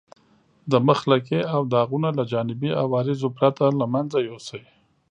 د مخ لکې او داغونه له جانبي عوارضو پرته له منځه یوسئ.